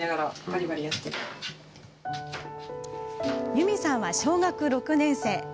ユミさんは小学６年生。